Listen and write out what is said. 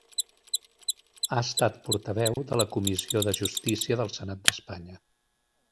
Ha estat portaveu de la Comissió de Justícia del Senat d'Espanya.